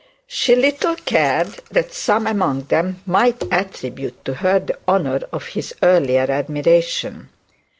She little cared that some among them might attribute to her the honour of his earlier admiration.